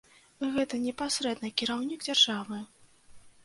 Гэта непасрэдна кіраўнік дзяржавы!